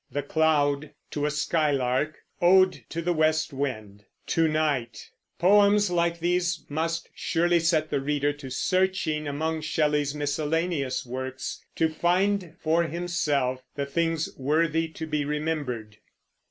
"The Cloud," "To a Skylark," "Ode to the West Wind," "To Night," poems like these must surely set the reader to searching among Shelley's miscellaneous works, to find for himself the things "worthy to be remembered."